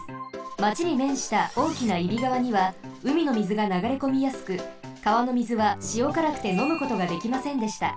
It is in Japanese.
町にめんしたおおきな揖斐川にはうみのみずがながれこみやすく川のみずはしおからくてのむことができませんでした。